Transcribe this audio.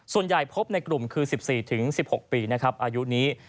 ส่วนใหญ่พบในกลุ่มคือ๑๔๑๖ปีนะครับอายุนี้